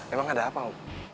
emang ada apa om